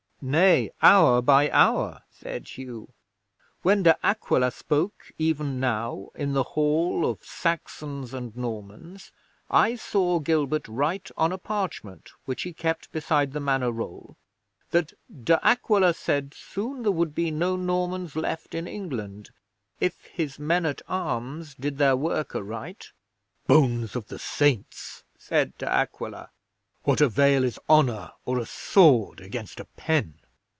'"Nay, hour by hour," said Hugh. "When De Aquila spoke even now, in the Hall, of Saxons and Normans, I saw Gilbert write on a parchment, which he kept beside the Manor roll, that De Aquila said soon there would be no Normans left in England if his men at arms did their work aright." '"Bones of the Saints!" said De Aquila. "What avail is honour or a sword against a pen?